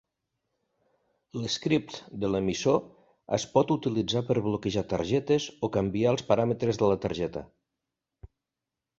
L'script de l'emissor es pot utilitzar per bloquejar targetes o canviar els paràmetres de la targeta.